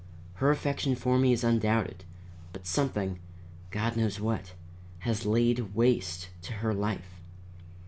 Her affection for me is undoubted, but something God knows what has laid waste her life.